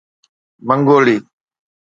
منگولي